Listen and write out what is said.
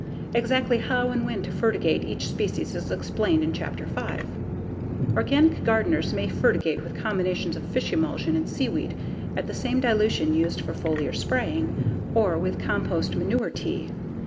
Exactly how and when to fertigate each species is explained in Chapter 5. Organic gardeners may fertigate with combinations of fish emulsion and seaweed at the same dilution used for foliar spraying, or with compost/manure tea.